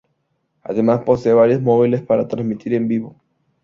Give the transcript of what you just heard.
Además posee varios móviles para transmitir en vivo.